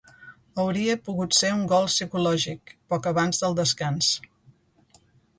Hauria pogut ser un gol psicològic, poc abans del descans.